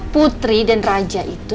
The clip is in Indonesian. putri dan raja itu